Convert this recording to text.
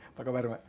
apa kabar mbak